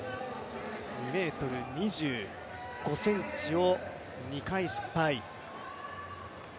２ｍ２５ｃｍを２回失敗。